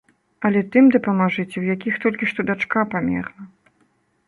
Але тым дапамажыце, у якіх толькі што дачка памерла.